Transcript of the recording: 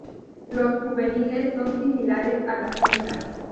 Los juveniles son similares a las hembras.